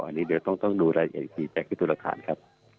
อันนี้เดี๋ยวต้องดูรายละเอียดอีกกี่แปลกที่ตุรการครับ